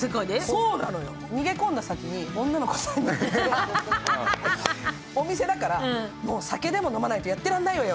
逃げ込んだ先に女の子３人いて、お店だから、もう酒でも飲まないとやってられないわよ！